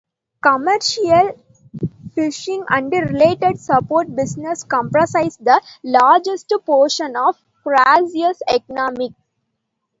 Commercial fishing and related support business comprises the largest portion of Craig's economy.